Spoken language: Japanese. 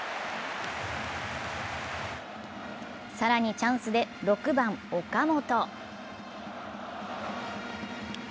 更にチャンスで６番・岡本。